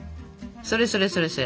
それそれそれそれ。